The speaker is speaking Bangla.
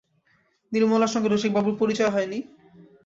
নির্মলার সঙ্গে রসিকবাবুর পরিচয় হয় নি?